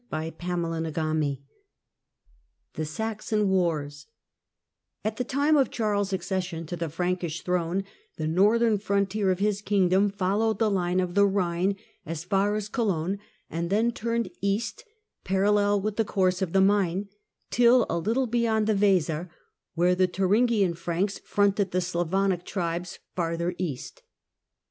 CHAPTEK XVI THE SAXON WARS A T the time of Charles' accession to the Frankish throne the northern frontier of his kingdom followed the line of the Rhine as far as Cologne, and then turned due east, parallel with the course of the Main, till a little beyond the Weser, where the Thur ingian Franks fronted the Slavonic tribes farther east.